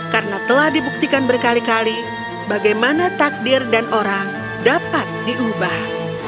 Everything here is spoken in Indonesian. karena telah dibuktikan berkali kali bagaimana takdir dan orang dapat diubah